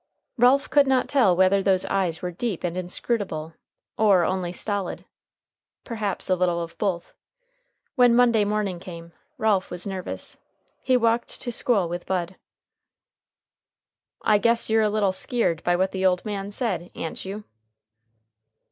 Ralph could not tell whether those eyes were deep and inscrutable or only stolid. Perhaps a little of both. When Monday morning came, Ralph was nervous. He walked to school with Bud. "I guess you're a little skeered by what the old man said, a'n't you?"